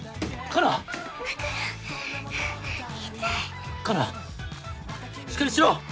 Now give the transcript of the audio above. カナ。